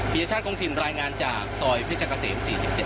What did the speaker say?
พิชชาติกรงถิ่นรายงานจากซอยพิชกาเสม๔๗